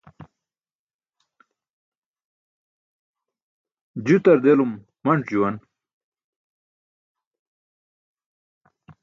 Jutar delum manc̣ juwan.